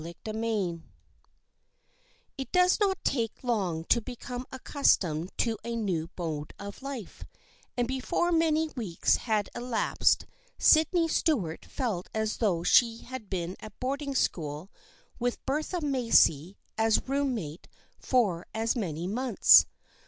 CHAPTER V IT does not take long to become accustomed to a new mode of life, and before many weeks had elapsed Sydney Stuart felt as though she had been at boarding school with Bertha Macy as a room mate for as many months.